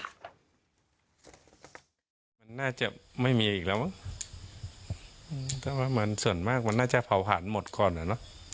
มันน่าจะไม่มีอีกแล้วมั้งแต่ว่ามันส่วนมากมันน่าจะเผาหันหมดก่อนอ่ะเนอะ